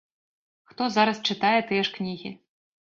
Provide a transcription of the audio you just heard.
Хто зараз чытае тыя ж кнігі?